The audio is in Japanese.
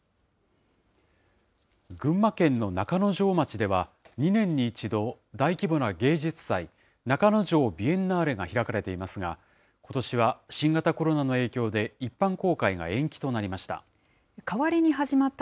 群馬県の中之条町では、２年に１度、大規模な芸術祭、中之条ビエンナーレが開かれていますが、ことしは新型コロナの影響で一般公開が延期となりました。